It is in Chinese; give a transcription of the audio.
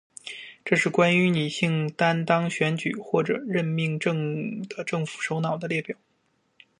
这是关于女性担任选举或者任命的政府首脑的列表。